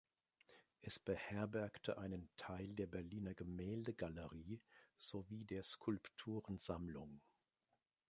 Es beherbergte einen Teil der Berliner Gemäldegalerie sowie der Skulpturensammlung.